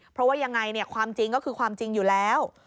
เพราะว่ายังไงความจริงก็คือความจริงอยู่แล้ว